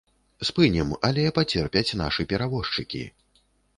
Спынім, але пацерпяць нашы перавозчыкі.